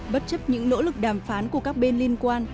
bất chấp những nỗ lực đàm phán của các bên liên quan